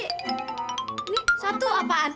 ini satu apaan